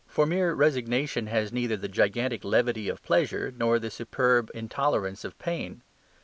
For mere resignation has neither the gigantic levity of pleasure nor the superb intolerance of pain.